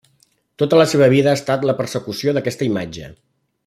Tota la seva vida ha estat la persecució d'aquesta imatge.